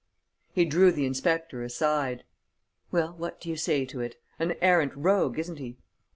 He drew the inspector aside: "Well, what do you say to it? An arrant rogue, isn't he?"